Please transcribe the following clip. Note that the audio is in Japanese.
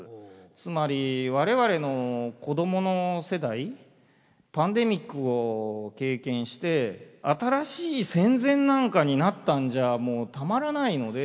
つまり我々の子供の世代パンデミックを経験して新しい戦前なんかになったんじゃもうたまらないので。